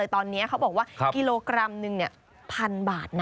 เกกรัมหนึ่งแบบ๑๐๐๐บาท